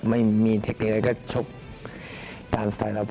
ไม่มีเทคนิคเราก็ชกตามสไตล์เรา